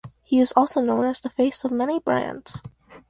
He is also known as the face of many brands.